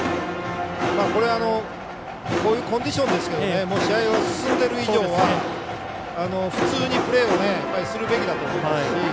こういうコンディションですけど試合は進んでいる以上は普通にプレーをするべきだと思いますし。